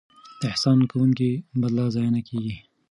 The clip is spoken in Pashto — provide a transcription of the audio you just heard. د احسان کوونکو بدله ضایع نه کیږي.